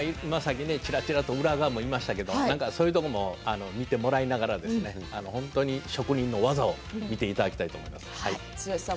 ちらちらと裏側見えましたけれどもそういうところも見ていただきながら職人の技を見ていただきたいと思います。